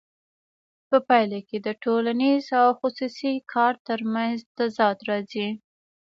په پایله کې د ټولنیز او خصوصي کار ترمنځ تضاد راځي